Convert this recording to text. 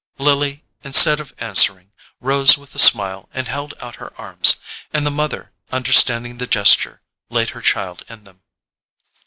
Lily, instead of answering, rose with a smile and held out her arms; and the mother, understanding the gesture, laid her child in them.